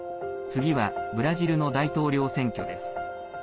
次はブラジルの大統領選挙です。